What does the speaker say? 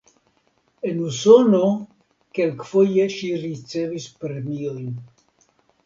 En Usono kelkfoje ŝi ricevis premiojn.